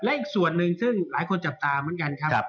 และอีกส่วนหนึ่งซึ่งหลายคนจับตาเหมือนกันครับ